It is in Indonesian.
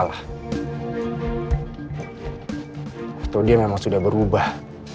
atau dia memang sudah berubah